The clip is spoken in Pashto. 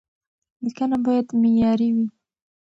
لیکنه باید معیاري وي.